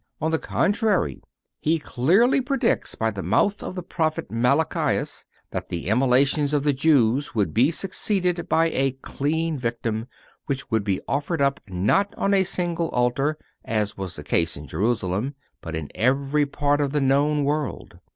On the contrary, He clearly predicts, by the mouth of the Prophet Malachias, that the immolations of the Jews would be succeeded by a clean victim, which would be offered up not on a single altar, as was the case in Jerusalem, but in every part of the known world.